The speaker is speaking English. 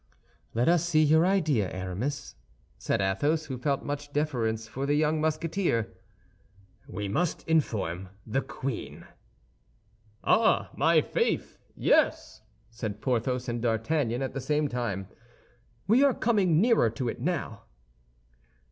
"Let us see your idea, Aramis," said Athos, who felt much deference for the young Musketeer. "We must inform the queen." "Ah, my faith, yes!" said Porthos and D'Artagnan, at the same time; "we are coming nearer to it now."